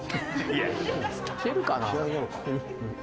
いけるかな？